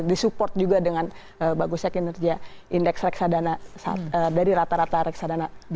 disupport juga dengan bagusnya kinerja indeks reksadana dari rata rata reksadana